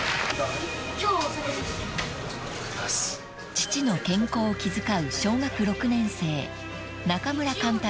［父の健康を気遣う小学６年生］